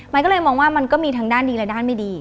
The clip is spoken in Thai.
มันก็เลยมองว่ามันก็มีทางด้านดีและด้านไม่ดี